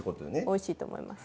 おいしいと思います。